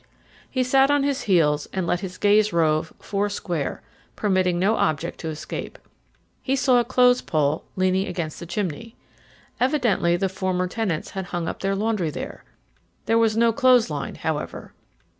He sat on his heels and let his gaze rove four square, permitting no object to escape. He saw a clothes pole leaning against the chimney. Evidently the former tenants had hung up their laundry here. There was no clothesline, however.